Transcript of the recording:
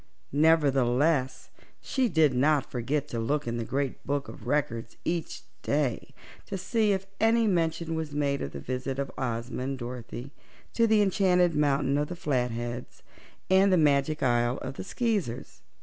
Nevertheless, she did not forget to look in the Great Book of Records each day to see if any mention was made of the visit of Ozma and Dorothy to the Enchanted Mountain of the Flatheads and the Magic Isle of the Skeezers.